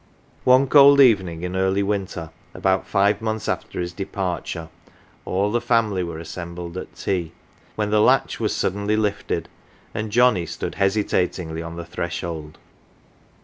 One cold evening in early winter, about five months after his departure, all the family were assembled at tea, 64 CELEBRITIES when the latch was suddenly lifted, and Johnnie stood hesitatingly on the threshold.